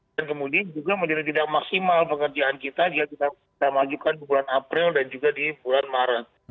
dan kemudian juga menjadi tidak maksimal pekerjaan kita yang kita majukan di bulan april dan juga di bulan maret